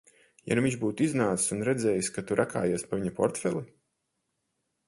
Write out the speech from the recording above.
Ja nu viņš būtu iznācis un redzējis, ka tu rakājies pa viņa portfeli?